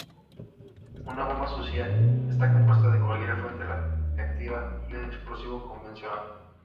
Una 'bomba sucia' está compuesta de cualquier fuente radiactiva y un explosivo convencional.